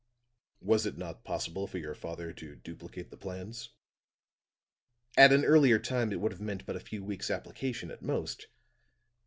"Was it not possible for your father to duplicate the plans?" "At an earlier time it would have meant but a few weeks' application at most.